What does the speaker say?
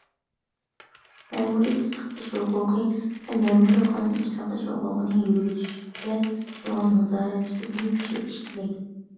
مەمۇرىي تەستىقلاش ھوقۇقى ۋە مەمۇرىي قانۇن ئىجرا قىلىش ھوقۇقىنى يۈرگۈزۈشكە بولغان نازارەتچىلىكنى كۈچەيتىش كېرەك.